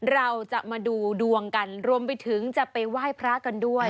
เราจะมาดูดวงกันรวมไปถึงจะไปไหว้พระกันด้วย